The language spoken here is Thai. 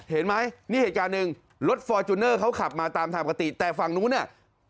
เห็นไหมนี่เหตุการณ์หนึ่งรถฟอร์จูเนอร์เขาขับมาตามทางปกติแต่ฝั่งนู้นเนี่ย